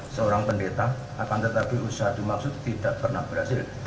seorang pendeta akan tetapi usaha dimaksud tidak pernah berhasil